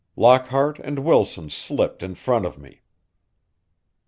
Lockhart and Wilson slipped in front of me.